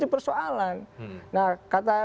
persoalan nah kata